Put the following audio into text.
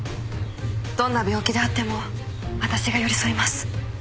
どんな病気であっても私が寄り添います。